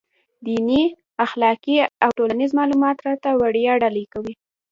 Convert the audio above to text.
دیني، اخلاقي او ټولنیز معلومات راته وړيا ډالۍ کوي.